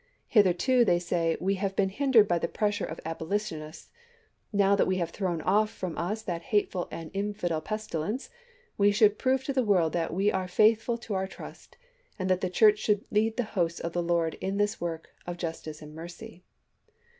" Hitherto," they say, " we have been hindered by the pressure of Abolitionists ; now that we have thrown off from us that hateful and infidel pestilence, we should prove to the world that we are faithful to our trust, and the Church should lead the hosts of the Lord in this work of justice and mercy."